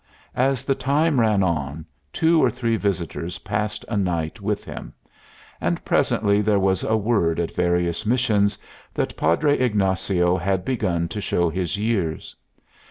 As the time ran on, two or three visitors passed a night with him; and presently there was a word at various missions that Padre Ignacio had begun to show his years.